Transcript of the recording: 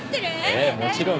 ええもちろん。